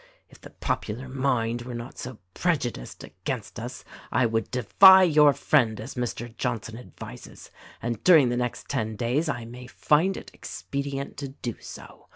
If the popular mind were not so prejudiced against us I would defy your friend as Mr. Johnson advises, — and during the next ten days I may find it expedient to do so.